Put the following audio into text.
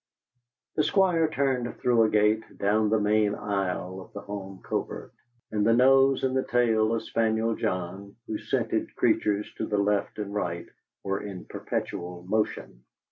The Squire turned through a gate down the main aisle of the home covert, and the nose and the tail of the spaniel John, who scented creatures to the left and right, were in perpetual motion.